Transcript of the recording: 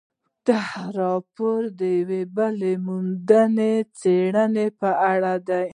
دا راپور د یوې بلې میداني څېړنې په اړه دی.